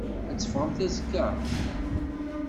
Ad teffɣemt azekka?